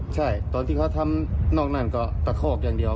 ใช่ตอนที่เขาทำนอกนั้นก็ตะคอกอย่างเดียว